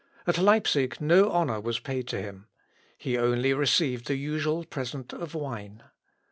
At Leipsic no honour was paid to him. He only received the usual present of wine.